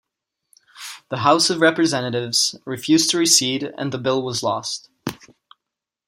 The House of Representatives refused to recede and the bill was lost.